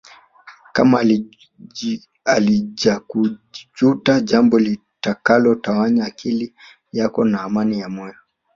Kama halijakujuta jambo litakalo tawanya akili yako na amani ya moyo